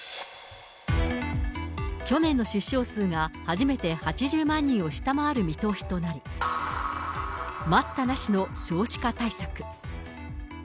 去年の出生数が初めて８０万人を下回る見通しとなり、待ったなしの少子化対策。